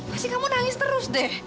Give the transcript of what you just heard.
pasti kamu nangis terus deh